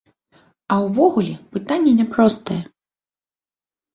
А ўвогуле, пытанне няпростае.